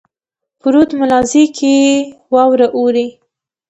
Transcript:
په رود ملازۍ کښي واوره اوري.